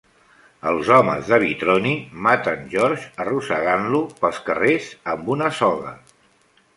Els homes de Vitroni maten George arrossegant-lo pels carrers amb una soga.